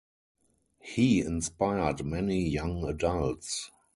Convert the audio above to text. He inspired many young adults.